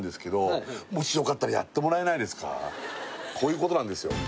もしこういうことなんですよ